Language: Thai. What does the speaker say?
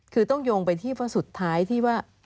คือต้องโยงไปที่เพราะสุดท้ายที่ว่า